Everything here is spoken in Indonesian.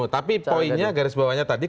tapi poinnya garis bawahnya tadi